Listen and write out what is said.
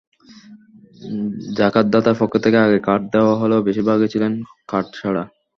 জাকাতদাতার পক্ষ থেকে আগেই কার্ড দেওয়া হলেও বেশির ভাগই ছিলেন কার্ডছাড়া।